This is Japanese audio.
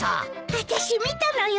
あたし見たのよ。